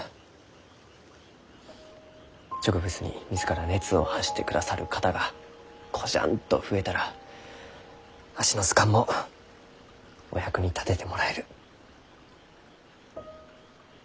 植物に自ら熱を発してくださる方がこじゃんと増えたらわしの図鑑もお役に立ててもらえる。